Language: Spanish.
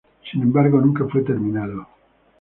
Sin embargo, nunca fue terminado.